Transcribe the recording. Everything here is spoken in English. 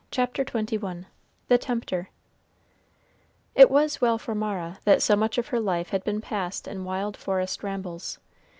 CHAPTER XXI THE TEMPTER It was well for Mara that so much of her life had been passed in wild forest rambles.